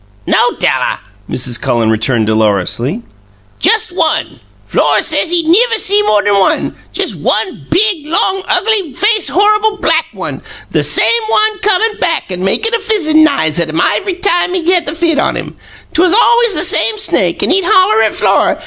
"No, Della," Mrs. Cullen returned dolorously; "jist one. Flora says he niver see more th'n one jist one big, long, ugly faced horrible black one; the same one comin' back an' makin' a fizzin' n'ise at um iv'ry time he had the fit on um. 'Twas alw'ys the same snake; an' he'd holler at Flora.